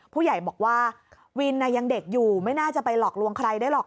ผู้ใหญ่บอกว่าวินยังเด็กอยู่ไม่น่าจะไปหลอกลวงใครได้หรอก